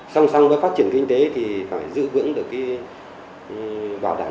song song với phát triển kinh tế thì phải giữ vững được cái bảo đảm